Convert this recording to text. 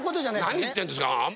何言ってるんですか！